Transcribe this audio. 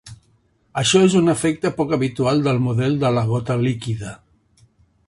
Això és un efecte poc habitual del model de la gota líquida.